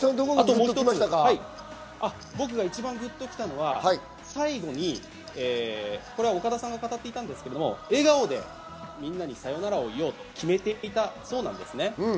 僕が一番グッときたのは最後に岡田さんが語っていたんですが、笑顔でみんなにさよならを言おうと決めていたそうです。